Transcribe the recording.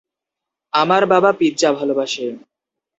আমার বাবা পিজ্জা ভালবাসে।